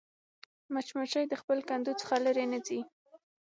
مچمچۍ د خپل کندو څخه لیرې نه ځي